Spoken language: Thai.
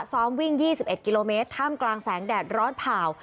ซ้อมวิ่ง๒๑กิโลเมตรท่ามกลางแสงแดดร้อนผ่า